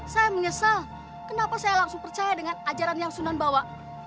saya menyesal kenapa saya langsung percaya dengan ajaran yang sunan bawa